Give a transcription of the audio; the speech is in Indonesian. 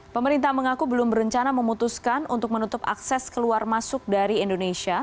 pemerintah mengaku belum berencana memutuskan untuk menutup akses keluar masuk dari indonesia